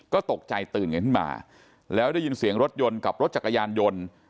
ก็ตกใจตื่นกันขึ้นมาแล้วได้ยินเสียงรถยนต์กับรถจักรยานยนต์